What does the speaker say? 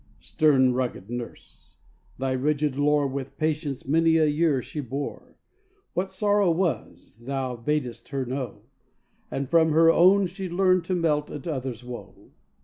Stern rugged Nurse! thy rigid lore With patience many a year she bore: What sorrow was, thou bad'st her know, And from her own she learn'd to melt at others' woe.